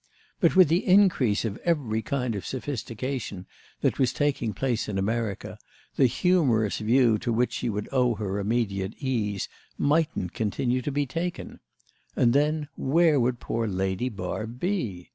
But with the increase of every kind of sophistication that was taking place in America the humorous view to which she would owe her immediate ease mightn't continue to be taken; and then where would poor Lady Barb be?